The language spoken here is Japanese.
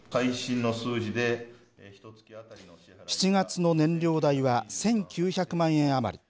７月の燃料代は１９００万円余り。